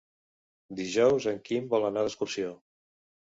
Dijous en Quim vol anar d'excursió.